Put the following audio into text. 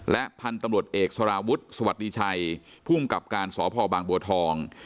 และพันธุ์ตำรวจเอกสารวุฒิสวัสดีชัยภูมิกับการสพบางบัวทอง